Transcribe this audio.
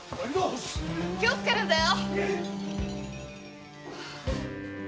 気をつけるんだよ！